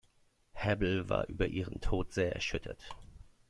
Hebbel war über ihren Tod sehr erschüttert.